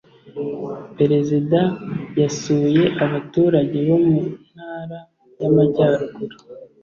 perezida yasuye abaturage bo mu ntara y’ amajyaruguru